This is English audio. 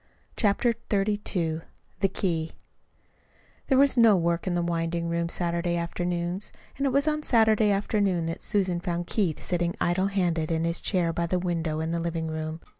CHAPTER XXXII THE KEY There was no work at the winding room Saturday afternoons, and it was on Saturday afternoon that Susan found Keith sitting idle handed in his chair by the window in the living room.